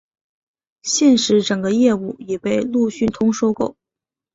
现时整个业务已被路讯通收购。